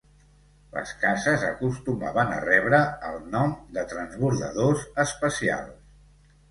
Les cases acostumaven a rebre el nom de transbordadors espacials.